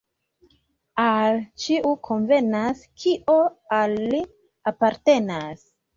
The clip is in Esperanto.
Al ĉiu konvenas, kio al li apartenas.